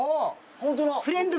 ホントだ！